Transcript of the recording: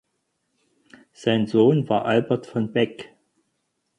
Sein Sohn war Albert von Beckh.